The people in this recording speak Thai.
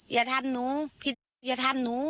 อย่าทำหนู